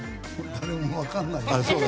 誰も分からないよね。